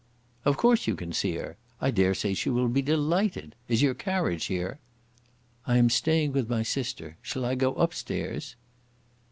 "Of course you can see her. I dare say she will be delighted. Is your carriage here?" "I am staying with my sister. Shall I go upstairs?"